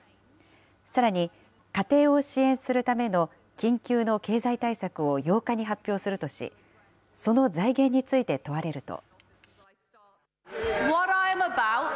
さらに、家庭を支援するための緊急の経済対策を８日に発表するとし、その財源について問われると。